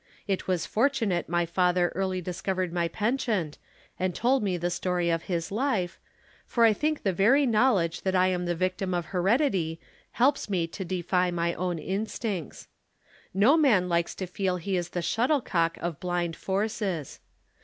It was fortunate my father early discovered my penchant and told me the story of his life, for I think the very knowledge that I am the victim of heredity helps me to defy my own instincts. No man likes to feel he is the shuttlecock of blind forces.